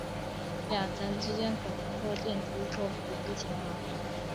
两层之间可通过电梯或扶梯前往。